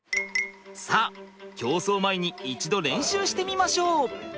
さあ競争前に一度練習してみましょう。